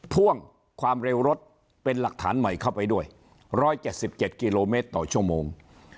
พ่วงความเร็วรถเป็นหลักฐานใหม่เข้าไปด้วย๑๗๗กิโลเมตรต่อชั่วโมง